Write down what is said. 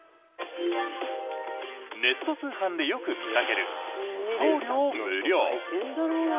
ネット通販でよく見かける送料無料。